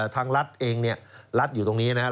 ทางรัฐเองเนี่ยรัฐอยู่ตรงนี้นะครับ